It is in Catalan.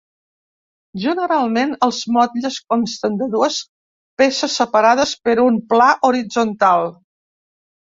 Generalment els motlles consten de dues peces separades per un pla horitzontal.